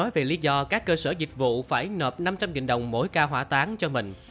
vì lý do các cơ sở dịch vụ phải nợp năm trăm linh đồng mỗi ca hỏa tán cho mình